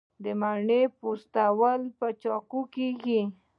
د مڼې پوستول په چاقو کیږي.